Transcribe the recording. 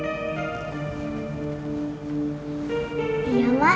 jennifer harus sekolah